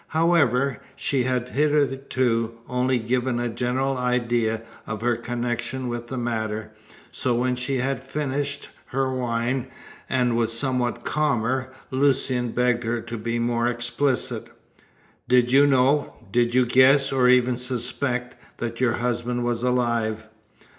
However, she had hitherto only given a general idea of her connection with the matter, so when she had finished her wine, and was somewhat calmer, Lucian begged her to be more explicit. "Did you know did you guess, or even suspect that your husband was alive?"